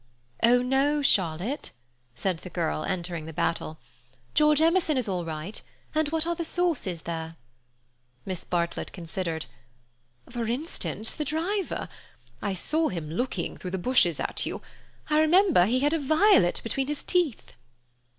"Oh, no, Charlotte," said the girl, entering the battle. "George Emerson is all right, and what other source is there?" Miss Bartlett considered. "For instance, the driver. I saw him looking through the bushes at you, remember he had a violet between his teeth."